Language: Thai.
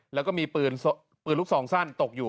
แล้วก็มีปืนลูกซองสั้นตกอยู่